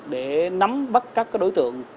để nắm bắt các đối tượng